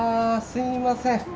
すいません。